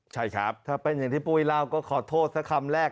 ใช่ครับถ้าเป็นอย่างที่ปุ้ยเล่าก็ขอโทษสักคำแรก